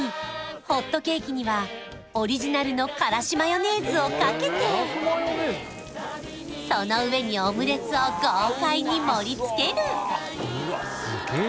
ホットケーキにはオリジナルの辛子マヨネーズをかけてその上にオムレツを豪快に盛りつける！